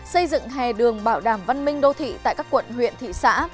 xây dựng hè đường bảo đảm văn minh đô thị tại các quận huyện thị xã